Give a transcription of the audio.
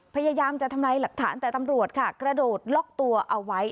พยายามจะทำลายหลักฐานแต่ตำรวจค่ะกระโดดล็อกตัวเอาไว้